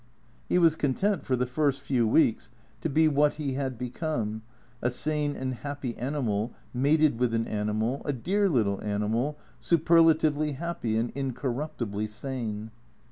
He was content, for the first few weeks, to be what he had become, a sane and happy animal, mated with an animal, a dear little animal, superlatively happy and incor ruptibly sane.